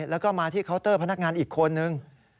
แล้วก็มาที่เคาน์เตอร์พนักงานอีกคนนึง